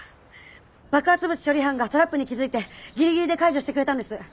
爆発物処理班がトラップに気付いてぎりぎりで解除してくれたんです。